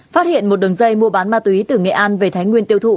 phát hiện một đường dây mua bán ma túy từ nghệ an về thái nguyên tiêu thụ